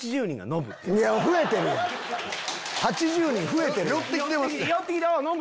８０人増えてるやん！